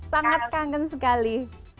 sangat kangen sekali